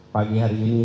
pagi hari ini